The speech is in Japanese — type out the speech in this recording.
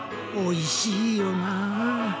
おいしいよな。